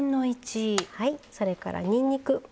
それからにんにく。